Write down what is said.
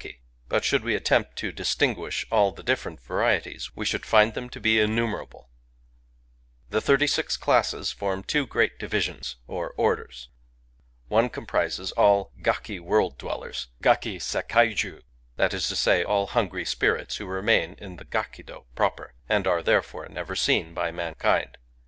ki: but should we attempt to distinguish all the differ ent varieties, we should find them to be innumera ble." The thirty six classes form two great divisions, or orders. One comprises all " Gaki World dwell ers " {Gaki'Sekai'Ju) ;— that is to say, all Hungry §pirits who remain in the Gakido proper^ and are, therefore^ never seen by mankind.